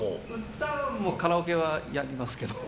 歌もカラオケはやりますけど。